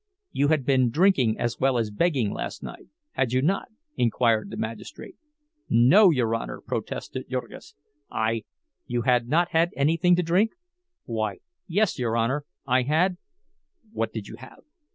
"You had been drinking as well as begging last night, had you not?" inquired the magistrate. "No, your Honor—" protested Jurgis. "I—" "You had not had anything to drink?" "Why, yes, your Honor, I had—" "What did you have?"